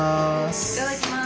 いただきます。